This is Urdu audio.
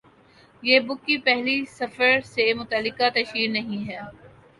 یہ بُک کی پہلی سفر سے متعلقہ تشہیر نہیں ہے